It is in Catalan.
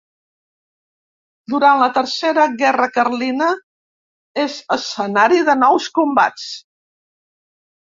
Durant la tercera Guerra Carlina és escenari de nous combats.